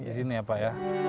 di sini pak